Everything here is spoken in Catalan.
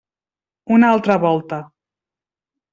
Una altra volta.